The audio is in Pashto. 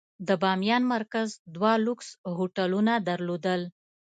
د بامیان مرکز دوه لوکس هوټلونه درلودل.